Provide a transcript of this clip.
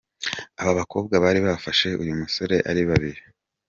Aba bakobwa bari bafashe uyu musore ari babiri.